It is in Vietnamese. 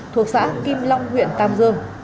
thuộc xã kim long huyện tam dương